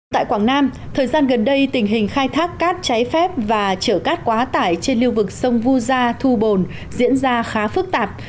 tại quảng nam thời gian gần đây tình hình khai thác cát cháy phép và chở cát quá tải trên lưu vực sông vu gia thu bồn diễn ra khá phức tạp